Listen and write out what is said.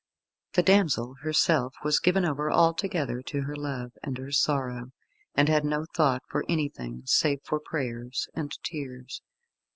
The damsel herself was given over altogether to her love and her sorrow, and had no thought for anything, save for prayers and tears.